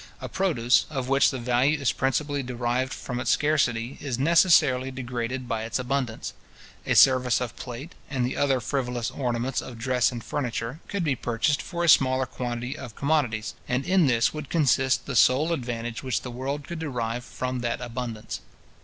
A produce, of which the value is principally derived from its scarcity, is necessarily degraded by its abundance. A service of plate, and the other frivolous ornaments of dress and furniture, could be purchased for a smaller quantity of commodities; and in this would consist the sole advantage which the world could derive from that abundance.